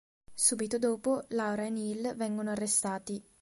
Subito dopo, Laura e Neil vengono arrestati.